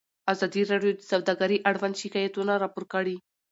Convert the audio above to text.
ازادي راډیو د سوداګري اړوند شکایتونه راپور کړي.